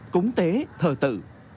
cúng tế thờ tự